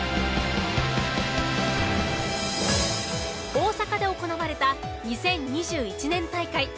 大阪で行われた２０２１年大会。